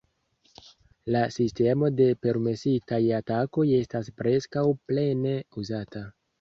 La sistemo de "permesitaj" atakoj estas preskaŭ plene uzata.